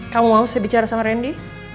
kamu mau saya bicara sama randy